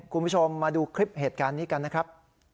คุณผู้ชมมาดูคลิปเหตุการณ์นี้กันนะครับ